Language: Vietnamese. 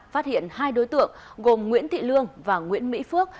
phát hiện hai đối tượng gồm nguyễn thị lương và nguyễn mỹ phước